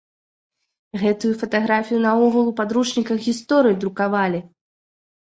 Гэтую фатаграфію наогул у падручніках гісторыі друкавалі!